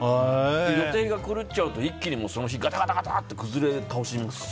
予定が狂っちゃうと一気にその日がたがたっと崩れますか。